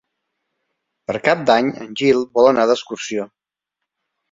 Per Cap d'Any en Gil vol anar d'excursió.